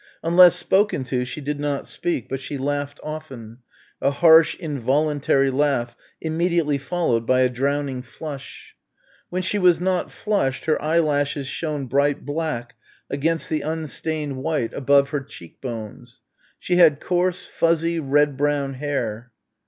Unless spoken to she did not speak, but she laughed often, a harsh involuntary laugh immediately followed by a drowning flush. When she was not flushed her eyelashes shone bright black against the unstained white above her cheek bones. She had coarse fuzzy red brown hair.